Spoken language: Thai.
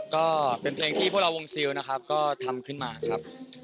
ก็เป็นเพลงที่พวกเราวงซิลนะครับก็ทำขึ้นมาครับ